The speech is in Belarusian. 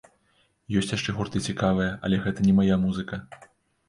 Ёсць яшчэ гурты цікавыя, але гэта не мая музыка.